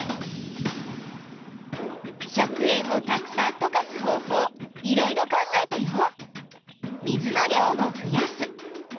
食塩をたくさんとかす方法いろいろ考えたよ。